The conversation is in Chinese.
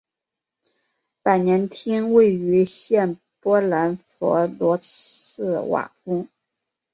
百年厅位于现波兰弗罗茨瓦夫。